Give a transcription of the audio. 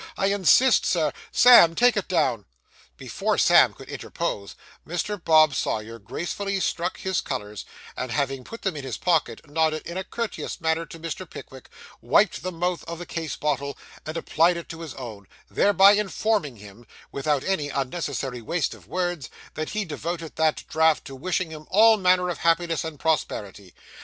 I insist, Sir. Sam, take it down.' Before Sam could interpose, Mr. Bob Sawyer gracefully struck his colours, and having put them in his pocket, nodded in a courteous manner to Mr. Pickwick, wiped the mouth of the case bottle, and applied it to his own, thereby informing him, without any unnecessary waste of words, that he devoted that draught to wishing him all manner of happiness and prosperity.